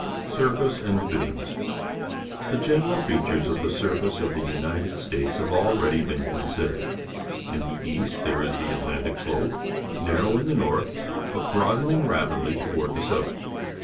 Surface and Divisions. — The general fea tures of the surface of the Ignited States have already been considered. In the east there is the Atlantic Slope, narrow in the north, but broadening rapidly toward the south.